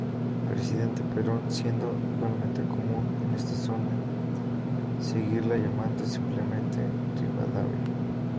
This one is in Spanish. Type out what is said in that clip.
Presidente Perón", siendo igualmente común en esta zona, seguirla llamando simplemente "Rivadavia".